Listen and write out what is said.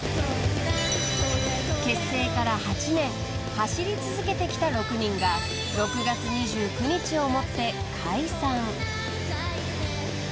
［走り続けてきた６人が６月２９日をもって解散］